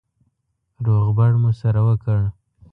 روغبړ مو سره وکړ.